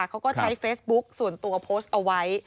เขาก็ใช้เฟซบุ๊กส่วนตัวโพสต์เอาไว้